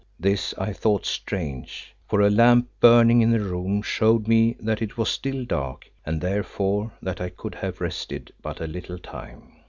This I thought strange, for a lamp burning in the room showed me that it was still dark, and therefore that I could have rested but a little time.